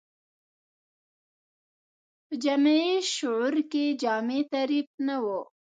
په جمعي شعور کې جامع تعریف نه و